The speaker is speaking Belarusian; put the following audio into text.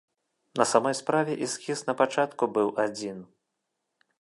На самой справе эскіз напачатку быў адзін.